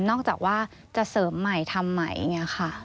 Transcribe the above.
จากว่าจะเสริมใหม่ทำใหม่อย่างนี้ค่ะ